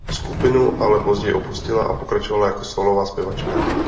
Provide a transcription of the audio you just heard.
Skupinu ale později opustila a pokračovala jako sólová zpěvačka.